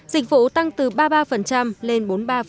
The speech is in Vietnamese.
dịch vụ tăng từ ba mươi ba lên bốn mươi ba